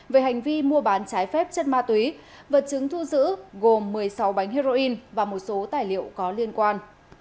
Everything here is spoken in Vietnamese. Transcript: về hành vi mua bán trái phép chất ma túy vật chứng thu giữ gồm một mươi sáu bánh heroin và một số tài liệu có liên quan